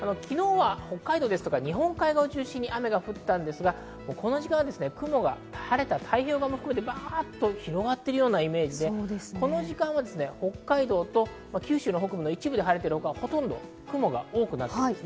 昨日は北海道や日本海側を中心に雨が降ったんですが、その時間は雲が晴れた太平洋側でもバッと広がってるような感じで、この時間は北海道と九州の北部の一部で晴れてほか、ほとんど雲が多くなっています。